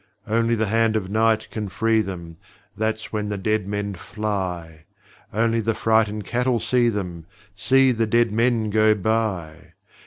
Only the hand of Night can free them That's when the dead men fly! Only the frightened cattle see them See the dead men go by!